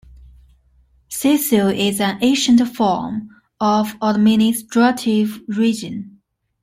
Syssel is an ancient form of administrative region.